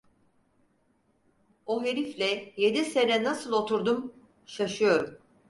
O herifle yedi sene nasıl oturdum, şaşıyorum.